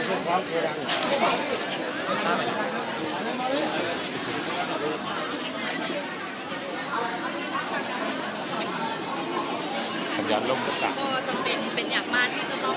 ก็จำเป็นเป็นยากมาที่จะต้องสัดกับบ้าน